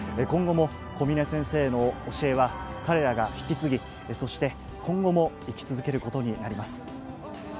今後も小嶺先生の教えは彼らが引き継ぎ、そして今後も生き続けることになります。